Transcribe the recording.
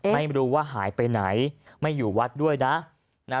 ไม่รู้ว่าหายไปไหนไม่อยู่วัดด้วยนะ